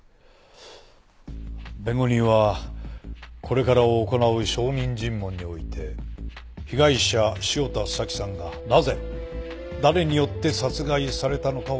弁護人はこれから行う証人尋問において被害者汐田早紀さんがなぜ誰によって殺害されたのかを明らかにし